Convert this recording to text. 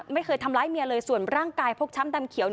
ไม่เคยทำร้ายเมียเลยส่วนร่างกายพกช้ำดำเขียว